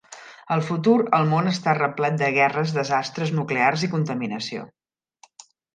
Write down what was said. Al futur, el món està replet de guerres, desastres nuclears i contaminació.